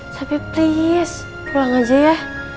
tapi please pulang aja ya